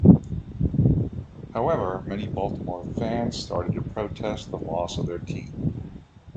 However, many Baltimore fans started to protest the loss of their team.